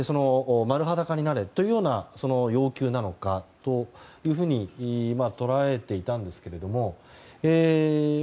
丸裸になれという要求なのかというふうに捉えていたんですけれども。